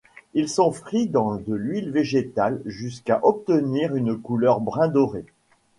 Ils sont frits dans de l'huile végétale jusqu'à obtenir une couleur brun doré.